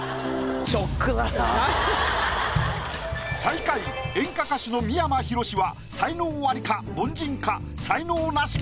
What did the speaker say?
最下位演歌歌手の三山ひろしは才能アリか？